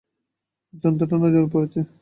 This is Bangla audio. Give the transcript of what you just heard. জন্তুটা নজরে পড়েছে।